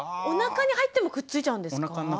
おなかに入ってもくっついちゃうんですか？